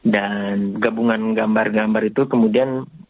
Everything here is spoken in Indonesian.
dan gabungan gambar gambar itu kemudian